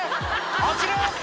落ちる」